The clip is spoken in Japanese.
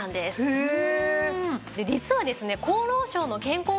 へえ。